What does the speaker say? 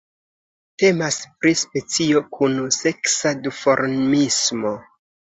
Temas pri specio kun seksa duformismo.